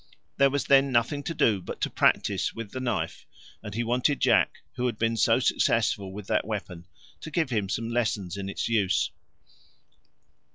There was then nothing to do but to practise with the knife, and he wanted Jack, who had been so successful with that weapon, to give him some lessons in its use.